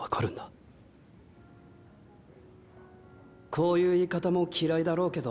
こういう言い方も嫌いだろうけど。